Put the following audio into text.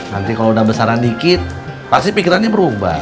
nanti kalau udah besaran dikit pasti pikirannya berubah